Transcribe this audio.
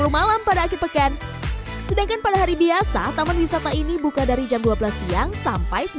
malam pada akhir pekan sedangkan pada hari biasa taman wisata ini buka dari jam dua belas siang sampai